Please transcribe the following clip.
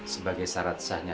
sebagai syarat sahnya